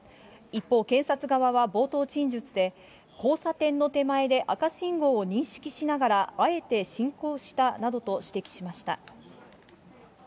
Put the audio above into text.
一方、検察側は冒頭陳述で、交差点の手前で赤信号を認識しながらあえて進行したなどと指摘しました。